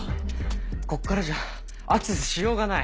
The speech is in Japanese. ここからじゃアクセスしようがない。